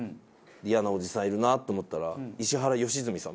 イヤなおじさんいるなと思ったら石原良純さんで。